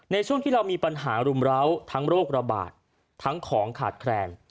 ในช่วงที่เรามีปัญหารุมร้าวทั้งโรคระบาดทั้งของขาดแคลน